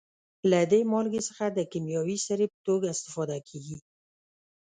له دې مالګې څخه د کیمیاوي سرې په توګه استفاده کیږي.